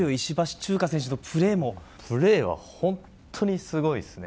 チューカ選手のプレーもプレーは、本当にすごいですね。